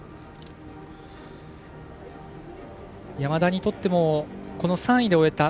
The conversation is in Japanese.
山田にとってもこの３位で終えた。